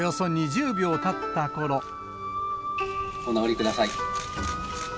お直りください。